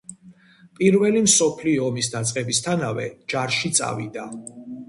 პირველი მსოფლიო ომის დაწყებისთანავე ჯარში წავიდა.